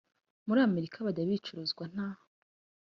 muri amerika byajya bicuruzwa nta